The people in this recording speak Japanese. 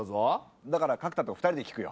だから角田と２人で聞くよ。